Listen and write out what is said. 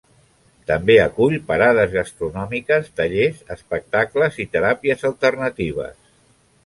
També acull parades gastronòmiques, tallers, espectacles i teràpies alternatives.